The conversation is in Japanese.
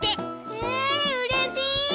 えうれしい！